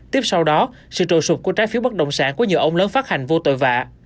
tiếp sau đó sự trồ sụp của trái phiếu bất động sản của nhiều ông lớn phát hành vô tội vạ